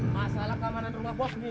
masalah keamanan rumah bos nih